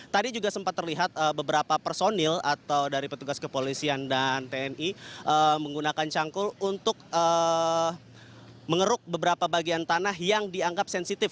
tadi juga sempat terlihat beberapa personil atau dari petugas kepolisian dan tni menggunakan cangkul untuk mengeruk beberapa bagian tanah yang dianggap sensitif